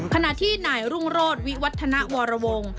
ขณะที่นายรุ่งโรธวิวัฒนวรวงศ์